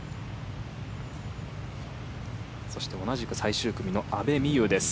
そして同じく最終組の阿部未悠です。